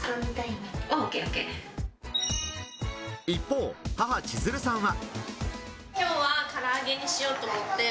一方、母・千鶴さんは。